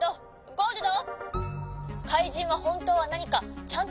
「ゴールド！